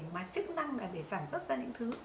mà chức năng là để sản xuất ra những thứ